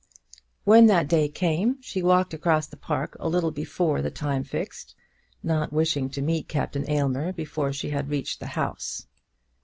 When that day came she walked across the park a little before the time fixed, not wishing to meet Captain Aylmer before she had reached the house.